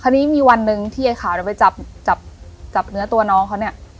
ทีนี้มีวันหนึ่งที่ไอ้ขาวเราไปจับจับเนื้อตัวน้องเขาเนี่ย